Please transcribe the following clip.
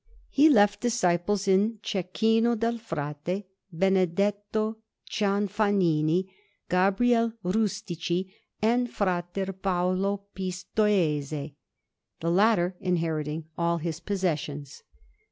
He left disciples in Cecchino del Frate, Benedetto Cianfanini, Gabriele Rustici, and Fra Paolo Pistoiese, the latter inheriting all his possessions.